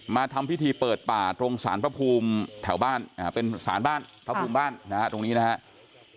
มาทำพิธีเปิดป่าตรงสารพระภูมิแถวบ้านเป็นสารบ้านพระภูมิบ้านนะฮะตรงนี้นะครับ